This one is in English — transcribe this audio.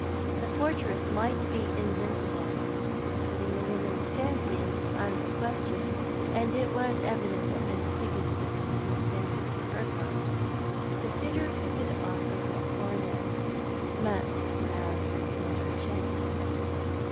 The fortress might be invincible ; but putting a woman's fancy out of the question— and it was evident that Miss Higginson had no fancy for Urquhart— the suitor who could offer a coronet must have the better chance.